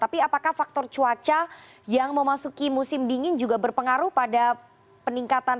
tapi apakah faktor cuaca yang memasuki musim dingin juga berpengaruh pada peningkatan